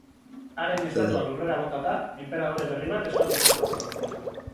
Haren estatuak lurrera botata, enperadore berri bat eskatu zuten.